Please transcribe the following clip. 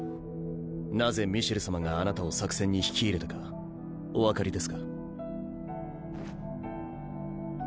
なぜミシェル様があなたを作戦に引き入れたかお分かりですか？